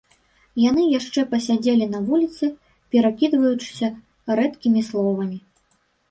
Яны яшчэ пасядзелі на вуліцы, перакідаючыся рэдкімі словамі.